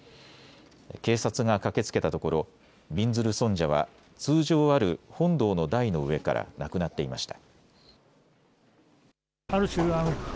警察が駆けつけたところびんずる尊者は通常ある本堂の台の上からなくなっていました。